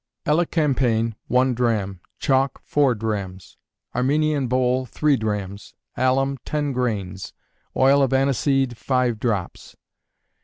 _ Elecampane, one drachm; chalk, four drachms; Armenian bole, three drachms; alum, ten grains; oil of aniseseed, five drops.